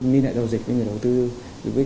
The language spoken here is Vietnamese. nên hệ giao dịch với người đầu tư